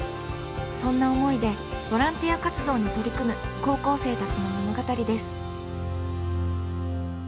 そんな思いでボランティア活動に取り組む高校生たちの物語です。